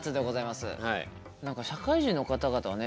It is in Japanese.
何か社会人の方々はね